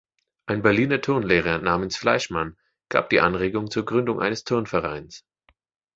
Ein Berliner Turnlehrer namens Fleischmann gab die Anregung zur Gründung eines Turnvereins.